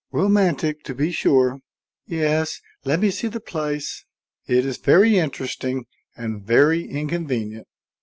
Romantic, to be sure. Yes, let me see the place. It is very interesting and very inconvenient.